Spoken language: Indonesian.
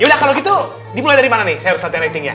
udah kalau gitu dimulai dari mana nih saya harus latihan ratingnya